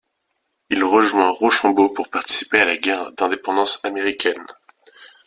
Il rejoint Rochambeau pour participer à la guerre d'Indépendance américaine.